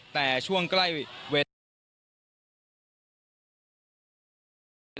แต่ช่วงใกล้เวลา